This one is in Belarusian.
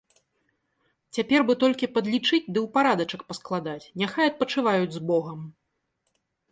Цяпер бы толькі падлічыць ды ў парадачак паскладаць, няхай адпачываюць з богам.